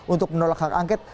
untuk menolak hak angket